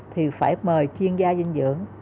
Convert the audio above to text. thì phải mời chuyên gia dinh dưỡng